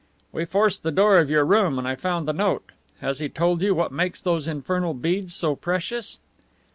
"We forced the door of your room, and I found the note. Has he told you what makes those infernal beads so precious?"